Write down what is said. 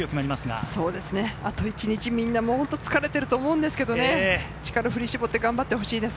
あと１日、みんな疲れていると思うんですけれど、力を振り絞って頑張ってほしいです。